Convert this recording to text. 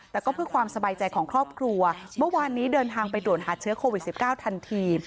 แต่ก็เพื่อความสบายใจของครอบครัวเมื่อวานนี้เดินทางไปตรวจหาเชื้อโควิด๑๙ทันที